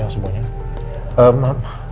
selamat siang semuanya